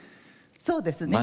そうですね。